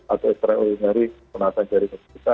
atau ekstrem oligarki penata jaringan kita